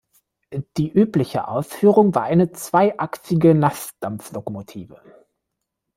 Die übliche Ausführung war eine zweiachsige Nassdampf-Lokomotive.